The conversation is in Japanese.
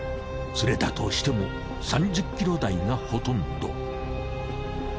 釣れたとしても３０ｋｇ台がほとんど。